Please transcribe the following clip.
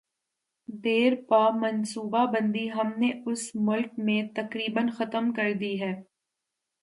دیرپا منصوبہ بندی ہم نے اس ملک میں تقریبا ختم کر دی ہے۔